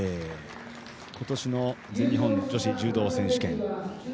今年の全日本女子柔道選手権。